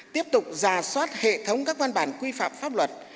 tiếp tục ra soát hệ thống các văn bản quy phạm pháp luật